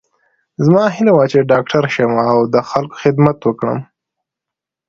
زما هیله وه چې ډاکټره شم او د خلکو خدمت وکړم